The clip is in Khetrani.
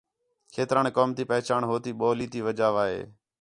کھیتران قوم تی پہچاݨ ہوتی ٻولی تی وجہ وا ہے